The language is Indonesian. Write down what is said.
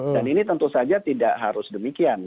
dan ini tentu saja tidak harus demikian